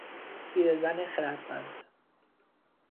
پیرزن خردمند